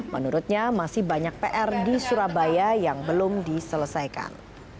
menurutnya masih banyak pr di surabaya yang belum diselesaikan